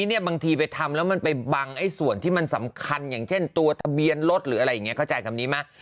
เนี่ยบางทีไปทำแล้วมันไปบังส่วนที่มันสำคัญอย่างเช่นตัวทะเบียนรถหรืออะไรอย่างนี้เข้าใจคำนี้ไหม